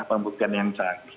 pembuktian yang canggih